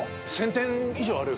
１０００点以上ある？